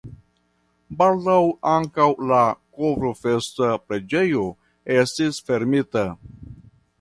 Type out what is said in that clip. Baldaŭ ankaŭ la Kovrofesta preĝejo estis fermita.